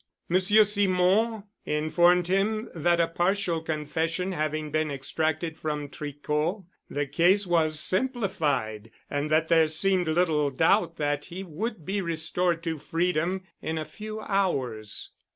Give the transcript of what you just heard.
Monsieur Simon informed him that a partial confession having been extracted from Tricot, the case was simplified and that there seemed little doubt that he would be restored to freedom in a few hours.